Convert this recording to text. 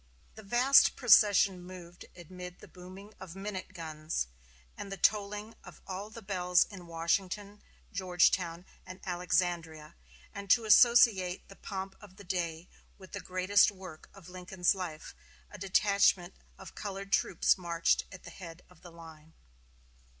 The vast procession moved amid the booming of minute guns, and the tolling of all the bells in Washington Georgetown, and Alexandria; and to associate the pomp of the day with the greatest work of Lincoln's life, a detachment of colored troops marched at the head of the line.